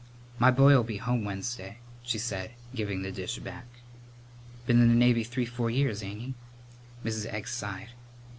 "My boy'll be home Wednesday," she said, giving the dish back. "Been in the Navy three four years, ain't he?" Mrs. Egg sighed.